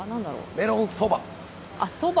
メロンそば！